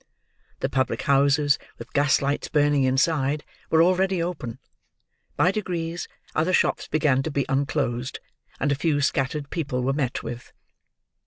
The public houses, with gas lights burning inside, were already open. By degrees, other shops began to be unclosed, and a few scattered people were met with.